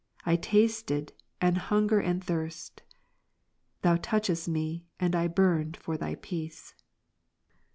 I tasted, and hunger and thirst. Thou touchedst me, and I burned for Thy peace.